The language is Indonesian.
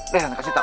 beneran kasih tau